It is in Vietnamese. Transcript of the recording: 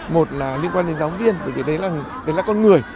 một là liên quan đến giáo viên vì cái đấy là con người